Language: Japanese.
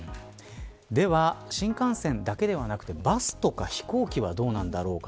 では、新幹線だけではなくてバスとか飛行機はどうなんだろうか。